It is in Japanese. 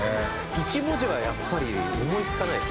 １文字はやっぱり思い付かないですね。